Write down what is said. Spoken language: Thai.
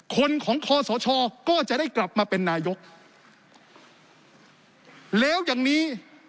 คนของคอสชก็จะได้กลับมาเป็นนายกแล้วอย่างนี้